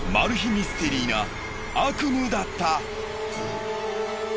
ミステリーな悪夢だった。